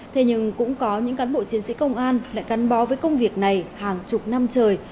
thế nhưng cũng có những cán bộ chiến sĩ công an lại cắn bó với công việc này hàng chục năm trời